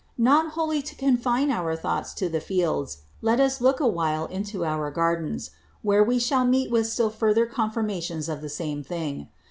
Not wholly to confine our Thoughts to the Fields, let us look a while into our Gardens; where we shall meet with still further Confirmations of the same thing.